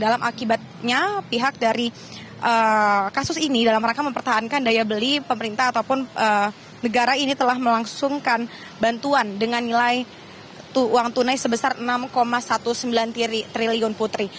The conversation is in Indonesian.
dalam akibatnya pihak dari kasus ini dalam rangka mempertahankan daya beli pemerintah ataupun negara ini telah melangsungkan bantuan dengan nilai uang tunai sebesar enam sembilan belas triliun putri